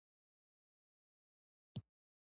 په داسې حالاتو کې د ودانۍ ټولې کوټې له برېښنا محرومېږي.